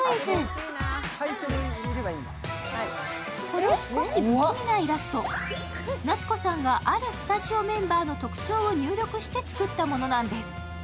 この少し不気味なイラスト、夏子さんが、あるスタジオメンバーの特徴を入力して作ったものなんです。